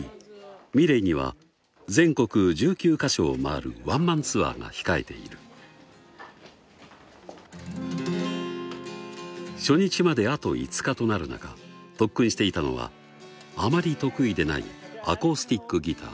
ｍｉｌｅｔには全国１９か所を回るワンマンツアーが控えている初日まであと５日となる中特訓していたのはあまり得意でないアコースティックギター